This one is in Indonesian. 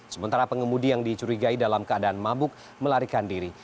sementara pengemudi yang dicurigai dalam keadaan mabuk melarikan diri